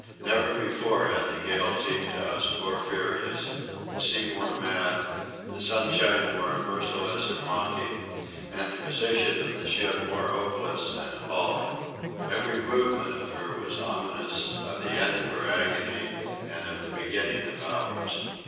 Never before had the gale seemed to us more furious, the sea more mad, the sunshine more merciless and mocking, and the position of the ship more hopeless and appalling. Every movement of her was ominous of the end of her agony and of the beginning of ours.